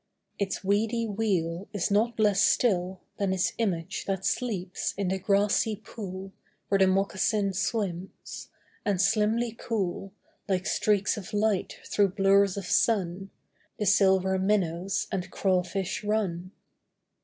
Its weedy wheel is not less still Than its image that sleeps in the grassy pool Where the moccasin swims; and, slimly cool Like streaks of light through blurs of sun, The silver minnows and crawfish run.